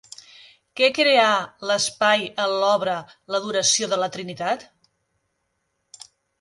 Què crea l'espai en l'obra l'Adoració de la Trinitat?